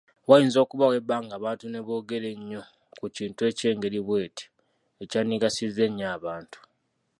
Wayinza okubaawo ebbanga abantu ne boogera nnyo ku kintu eky'engeri bw'eti, ekyandigasizza ennyo abantu.